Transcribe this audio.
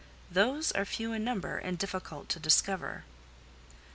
"Those are few in number, and difficult to discover."